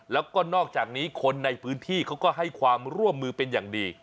แล้วก็นอกจากนี้คนในพื้นที่เขาก็ให้ความร่วมมือเป็นอย่างดี